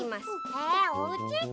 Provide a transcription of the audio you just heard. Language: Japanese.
えっおうち？